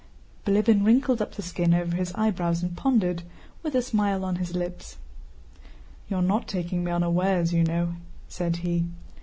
Bilíbin wrinkled up the skin over his eyebrows and pondered, with a smile on his lips. "You are not taking me unawares, you know," said he.